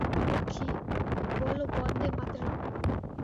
মক্ষী, বলো বন্দেমাতরং!